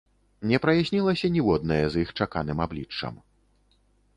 Не праяснілася ніводнае з іх чаканым абліччам.